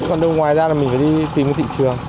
còn đâu ngoài ra là mình phải đi tìm ra thị trường